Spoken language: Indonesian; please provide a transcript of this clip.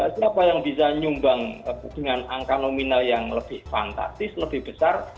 siapa yang bisa nyumbang dengan angka nominal yang lebih fantastis lebih besar